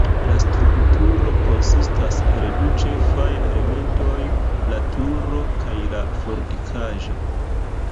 La strukturo konsistas el du ĉefaj elementoj: la turo kaj la fortikaĵo.